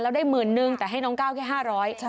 แล้วได้หมื่นนึงแต่ให้น้องก้าวแค่๕๐๐บาท